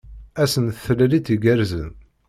Ass n tlalit igerrzen!